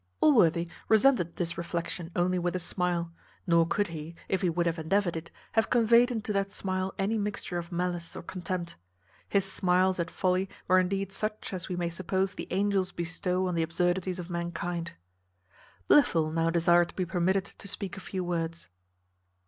Allworthy resented this reflection only with a smile; nor could he, if he would have endeavoured it, have conveyed into that smile any mixture of malice or contempt. His smiles at folly were indeed such as we may suppose the angels bestow on the absurdities of mankind. Blifil now desired to be permitted to speak a few words.